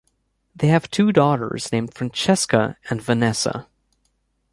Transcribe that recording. They have two daughters named Francesca and Vanessa.